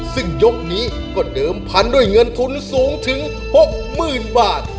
ซึ่งยกนี้ก็เดิมพันธุ์ด้วยเงินทุนสูงถึง๖๐๐๐บาท